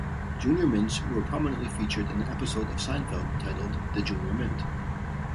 Junior Mints were prominently featured in an episode of "Seinfeld" titled "The Junior Mint".